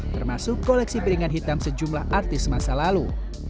termasuk koleksi piringan hitam sejumlah artis masa lalu